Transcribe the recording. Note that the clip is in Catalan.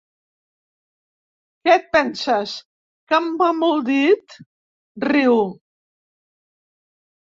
Què et penses, que em mamo el dit? —riu.